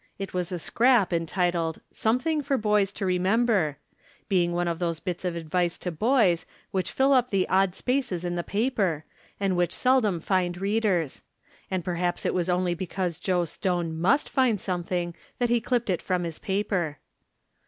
It was a scrap entitled "Something for From Different Standpoints. 157 Boys to Remember," being one of those bits of advice to boys which fill up the odd spaces in the paper, and which seldom find readers ; and perhaps it was only because Joe Stone must find something that he clipped it from his paper.